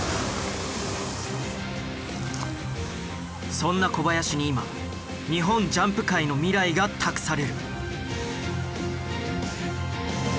そんな小林に今日本ジャンプ界の未来が託される。